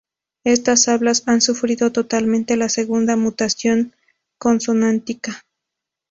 Estas hablas han sufrido totalmente la segunda mutación consonántica.